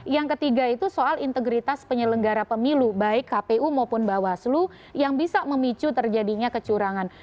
yang ketiga itu soal integritas penyelenggara pemilu baik kpu maupun bawaslu yang bisa memicu terjadinya kecurangan